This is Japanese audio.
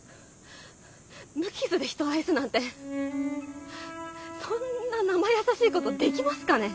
無傷で人を愛すなんてそんななまやさしいことできますかね？